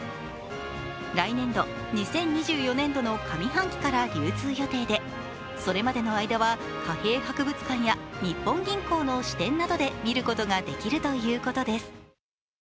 来年度、２０２４年度の上半期から流通予定でそれまでの間は貨幣博物館や日本銀行の支店などで見ることができるということです。